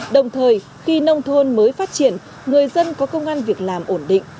đồng thời khi nông thôn mới phát triển người dân có công an việc làm ổn định